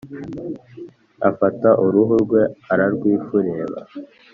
Afata Uruhu rwe ararwifureba.